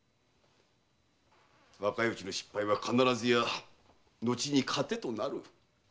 若いうちの失敗は必ずや後に糧となる。